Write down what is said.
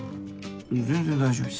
全然大丈夫っす。